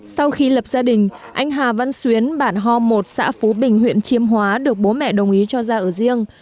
sau khi lập gia đình anh hà văn xuyến bản ho một xã phú bình huyện chiêm hóa được bố mẹ đồng ý cho ra ở riêng